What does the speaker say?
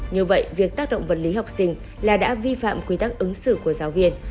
như vậy việc tác động vật lý học sinh là đã vi phạm quy tắc ứng xử của giáo viên